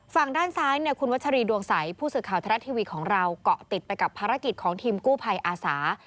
ฝั่งด้านซ้ายเนี่ยคุณวัชรีดวงใสผู้สื่อข่าวทรัฐทีวีของเราเกาะติดไปกับภารกิจของทีมกู้ภัยอาสา